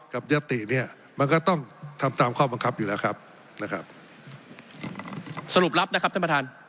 ยติเนี่ยมันก็ต้องทำตามข้อบังคับอยู่แล้วครับนะครับสรุปรับนะครับท่านประธาน